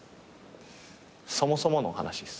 そもそもの話っす。